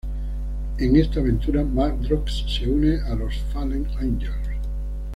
En esta aventura, Madrox se une a los Fallen Angels.